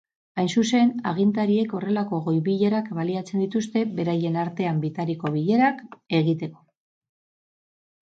Hain zuzen, agintariek horrelako goi-bilerak baliatzen dituzte beraien artean bitariko bilerak egiteko.